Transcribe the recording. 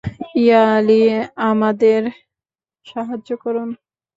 ইয়া আলী, আমাদের সাহায্য করুন।